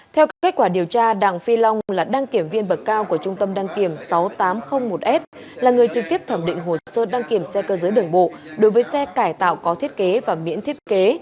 theo các kết quả điều tra đặng phi long là đăng kiểm viên bậc cao của trung tâm đăng kiểm sáu nghìn tám trăm linh một s là người trực tiếp thẩm định hồ sơ đăng kiểm xe cơ giới đường bộ đối với xe cải tạo có thiết kế và miễn thiết kế